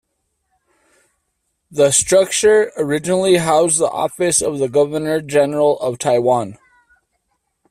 The structure originally housed the Office of the Governor-General of Taiwan.